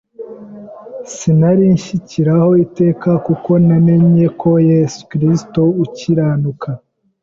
Sinari nshyiciraho iteka, kuko namenye ko Yesu Kristo ukiranuka,